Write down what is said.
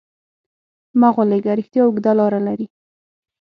مه غولېږه، رښتیا اوږده لاره لري.